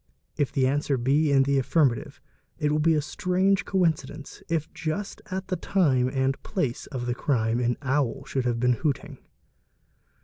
If the answer be ir . the affirmative, it will be a strange eae et ee ga coincidence if just at the time and Fig. 35. | place of the crime an owl should have || been hooting.